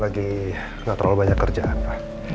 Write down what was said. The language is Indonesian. lagi gak terlalu banyak kerjaan lah